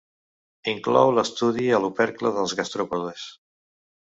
Inclou l'estudi a l'opercle dels gastròpodes.